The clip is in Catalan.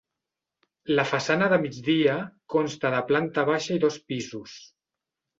La façana de migdia consta de planta baixa i dos pisos.